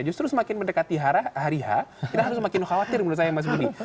justru semakin mendekati hari h kita harus semakin khawatir menurut saya mas budi